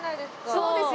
そうですよ